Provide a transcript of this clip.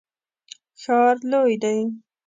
ښار لوی دی